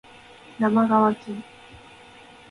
なまがわき